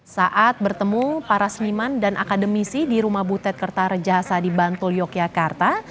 saat bertemu para seniman dan akademisi di rumah butet kertarejasa di bantul yogyakarta